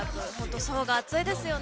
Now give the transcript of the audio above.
層が厚いですよね。